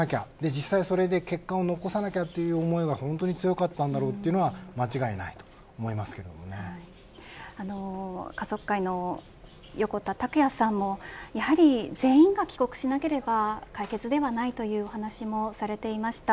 実際それで結果を残さなきゃという思いが本当に強かったんだろうということは家族会の横田拓也さんも全員が帰国しなければ解決ではないというお話もされていました。